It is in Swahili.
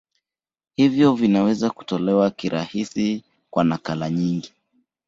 Hivyo vinaweza kutolewa kirahisi kwa nakala nyingi.